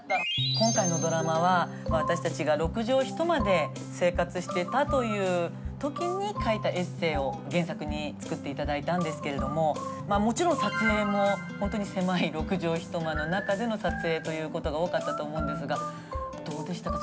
今回のドラマは私たちが６畳一間で生活していたという時に書いたエッセイを原作に作って頂いたんですけれどももちろん撮影も本当に狭い６畳一間の中での撮影ということが多かったと思うんですがどうでしたか？